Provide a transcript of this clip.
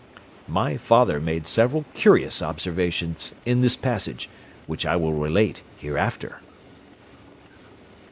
_ My father made several curious observations in this passage, which I will relate hereafter.